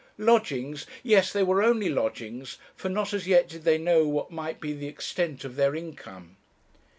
Lodgings! yes, they were only lodgings; for not as yet did they know what might be the extent of their income.